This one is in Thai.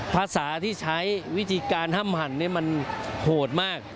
ภาษาที่ใช้วิธีการห้ำหั่นมันโหดมาก